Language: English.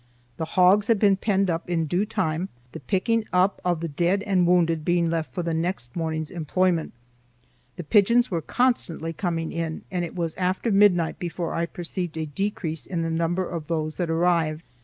The hogs had been penned up in due time, the picking up of the dead and wounded being left for the next morning's employment. The pigeons were constantly coming in and it was after midnight before I perceived a decrease in the number of those that arrived.